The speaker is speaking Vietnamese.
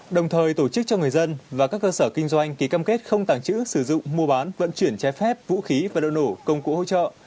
đồng thời tổ chức cho người dân và các cơ sở kinh doanh ký cam kết không tàng trữ sử dụng mua bán vận chuyển trái phép vũ khí và liệu nổ công cụ hỗ trợ